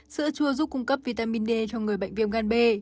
sữa chua giúp cung cấp vitamin d cho người bệnh viêm gan b